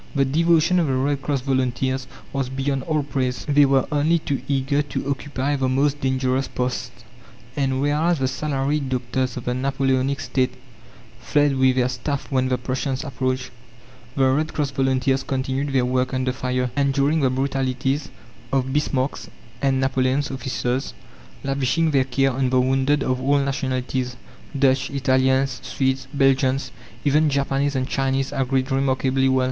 The devotion of the Red Cross volunteers was beyond all praise. They were only too eager to occupy the most dangerous posts; and whereas the salaried doctors of the Napoleonic State fled with their staff when the Prussians approached, the Red Cross volunteers continued their work under fire, enduring the brutalities of Bismarck's and Napoleon's officers, lavishing their care on the wounded of all nationalities. Dutch, Italians, Swedes, Belgians, even Japanese and Chinese agreed remarkably well.